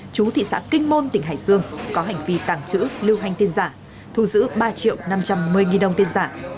chú thị xã kinh môn tỉnh hải dương có hành vi tàng trữ lưu hành tiền giả thu giữ ba triệu năm trăm một mươi đồng tiền giả